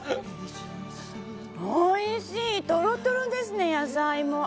おいしい、とろとろですね野菜も。